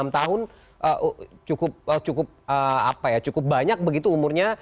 dua puluh enam tahun cukup banyak begitu umurnya